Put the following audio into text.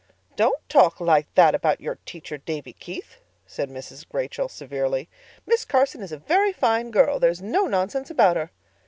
"Don't talk like that about your teacher, Davy Keith," said Mrs. Rachel severely. "Miss Carson is a very fine girl. There is no nonsense about her."